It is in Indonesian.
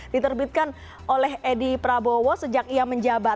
diterbitkan oleh edi prabowo sejak ia menjabat